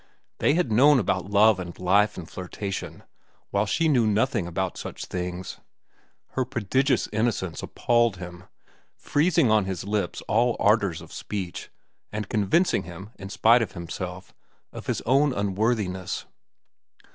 They had known about love and life and flirtation, while she knew nothing about such things. Her prodigious innocence appalled him, freezing on his lips all ardors of speech, and convincing him, in spite of himself, of his own unworthiness.